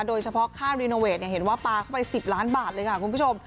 โดยเฉพาะค่ารีโนเวทเห็นว่าปลาเข้าไป๑๐ล้านบาทเลยค่ะคุณผู้ชม